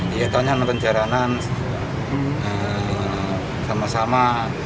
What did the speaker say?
kegiatannya penjaranan sama sama